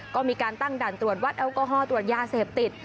ก็มีการตั้งด่านตรวจวัดแอลกอฮอลตรวจยาเสพติด